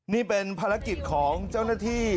นี่เป็นภารกิจของเจ้าหน้าที่